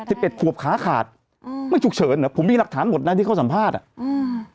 สิบเอ็ดขวบขาขาดอืมไม่ฉุกเฉินเหรอผมมีหลักฐานหมดนะที่เขาสัมภาษณ์อ่ะอืม